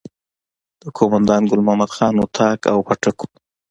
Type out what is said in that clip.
د قوماندان ګل محمد خان اطاق او پاټک وو.